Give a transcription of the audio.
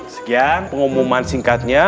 sekian pengumuman singkatnya